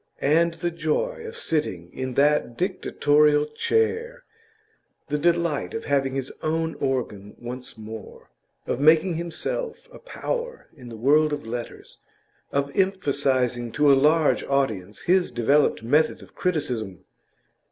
And the joy of sitting in that dictatorial chair! The delight of having his own organ once more, of making himself a power in the world of letters, of emphasising to a large audience his developed methods of criticism!